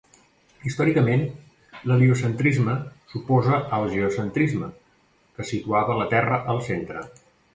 Històricament, l'heliocentrisme s'oposa al geocentrisme, que situava la Terra al centre.